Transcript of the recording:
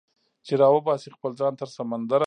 چې راوباسي خپل ځان تر سمندره